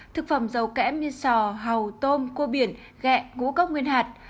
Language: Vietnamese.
thực phẩm dầu kẽm như sò hầu tôm cua biển gẹ ngũ cốc nguyên hạt